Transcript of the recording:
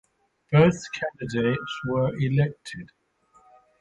Both candidates were elected.